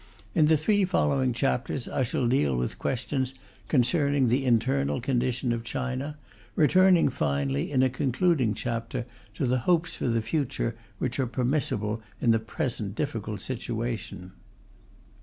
In the three following chapters, I shall deal with questions concerning the internal condition of China, returning finally, in a concluding chapter, to the hopes for the future which are permissible in the present difficult situation.